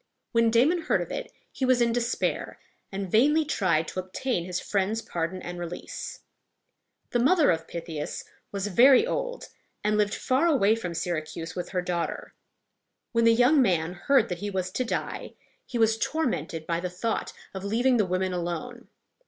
When Damon heard of it, he was in despair, and vainly tried to obtain his friend's pardon and release. The mother of Pythias was very old, and lived far away from Syracuse with her daughter. When the young man heard that he was to die, he was tormented by the thought of leaving the women alone.